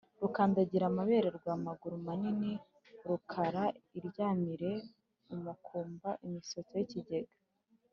Rukandagiramabere rwa Magurumunani Rukara iryamiye umukumba.-Imisoto y'ikigega.